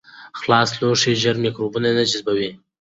خلاص لوښي ژر میکروبونه جذبوي.